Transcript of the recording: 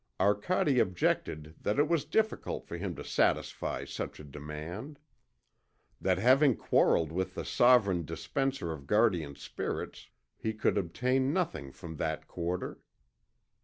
Arcade objected that it was difficult for him to satisfy such a demand. That having quarrelled with the sovereign dispenser of guardian Spirits, he could obtain nothing from that quarter.